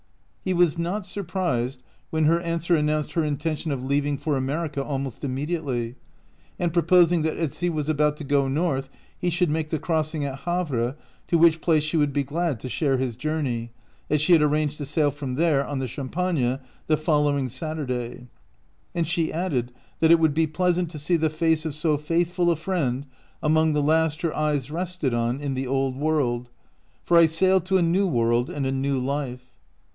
He was not surprised when her answer announced her intention of leaving for America almost immediately, and propos ing that as he was about to go north he should make the crossing at Havre, to which place she would be glad to share his journey, as she had arranged to sail from there on the " Champagne " the following Saturday ; and she added that it would be pleasant to see the face of so faithful a friend among the last her eyes rested on in the Old World, "for I sail to a New World and a new life."